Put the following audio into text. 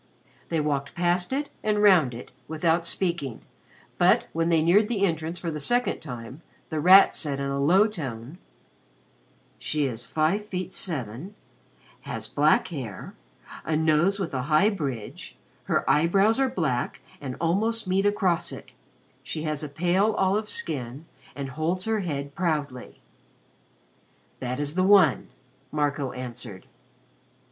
They walked past it and round it without speaking, but, when they neared the entrance for the second time, The Rat said in a low tone: "She is five feet seven, has black hair, a nose with a high bridge, her eyebrows are black and almost meet across it, she has a pale olive skin and holds her head proudly." "That is the one," Marco answered.